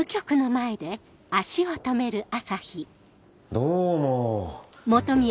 どうも。